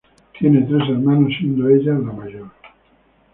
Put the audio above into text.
Tiene tres hermanos siendo ella la mayor.